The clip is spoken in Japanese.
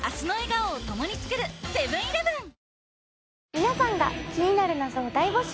皆さんが気になる謎を大募集。